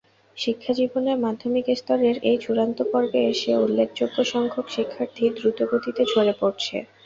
শিক্ষাজীবনের মাধ্যমিক স্তরের এই চূড়ান্ত পর্বে এসে উল্লেখযোগ্যসংখ্যক শিক্ষার্থী দ্রুতগতিতে ঝরে পড়ছে।